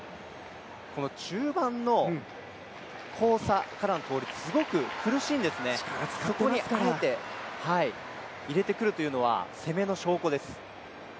この中盤の交差からの倒立すごく苦しいんですね、そこにあえて入れてくるというのは攻めの証拠です。